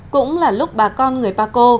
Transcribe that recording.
cũng là lúc bà con người paco